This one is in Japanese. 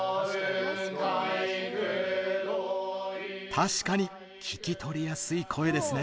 確かに聞き取りやすい声ですね。